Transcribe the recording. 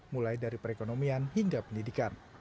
mulai dari perekonomian hingga pendidikan